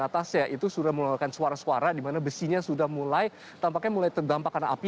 atasnya itu sudah mengeluarkan suara suara di mana besinya sudah mulai tampaknya mulai terdampak karena api